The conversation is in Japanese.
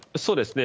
そうですね。